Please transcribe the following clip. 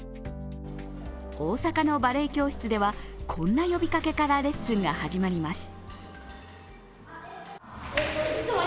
大阪のバレエ教室では、こんな呼びかけからレッスンが始まります。